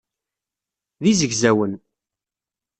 D izegzawen.